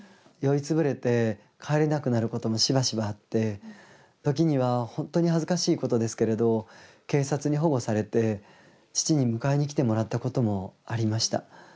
酔い潰れて帰れなくなることもしばしばあって時には本当に恥ずかしいことですけれど警察に保護されて父に迎えに来てもらったこともありました。